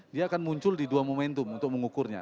dia akan muncul di dua momentum untuk mengukurnya